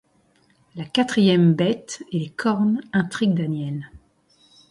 La quatrième bête et les cornes intriguent Daniel.